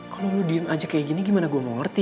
kalau lo diem aja kayak gini gimana gue mau ngerti